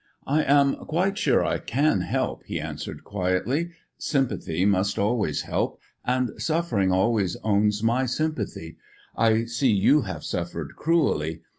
"I am quite sure I can help," he answered quietly; "sympathy must always help, and suffering always owns my sympathy. I see you have suffered cruelly.